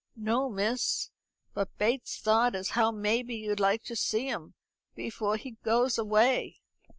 "No, miss; but Bates thought as how maybe you'd like to see 'un before he goes away.